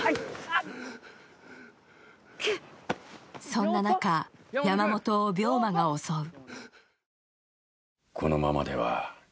そんな中、山本を病魔が襲う。